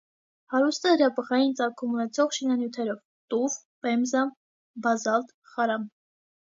Հարուստ է հրաբխային ծագում ունեցող շինանյութերով (տուֆ, պեմզա, բազալտ, խարամ)։